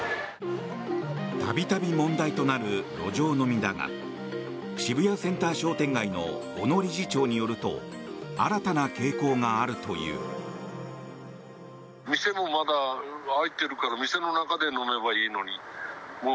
度々問題となる路上飲みだが渋谷センター商店街の小野理事長によると新たな傾向があるという。